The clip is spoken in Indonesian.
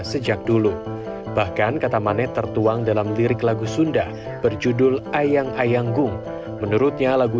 sejak dulu bahkan kata maneh tertuang dalam lirik lagu sunda berjudul ayangayanggum menurutnya lagu